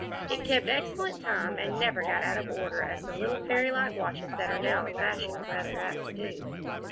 It kept excellent time, and never got out of order as the little fairy like watches that are now the fashion are rather apt to do.